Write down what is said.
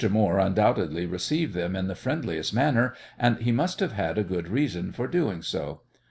Moore undoubtedly received them in the friendliest manner, and he must have had a good reason for doing so.